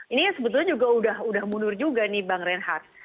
ini sebetulnya sudah mundur juga bang reinhardt